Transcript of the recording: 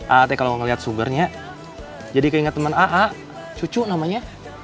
a'a teh kalo ngeliat sugernya jadi keingetan a'a cucu namanya